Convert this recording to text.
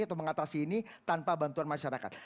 atau mengatasi ini tanpa bantuan masyarakat